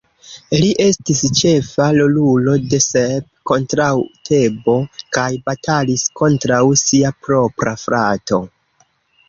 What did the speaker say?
Li estis ĉefa rolulo de "Sep kontraŭ Tebo" kaj batalis kontraŭ sia propra frato.